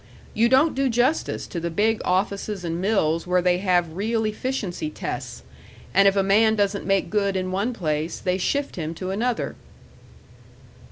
You don't do justice to the big offices and mills where they have real efficiency tests, and if a man doesn't make good in one place, they shift him to another."